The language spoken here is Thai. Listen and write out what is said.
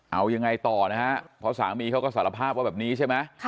เอายังไงต่อนะฮะเพราะสามีเขาก็สารภาพว่าแบบนี้ใช่ไหม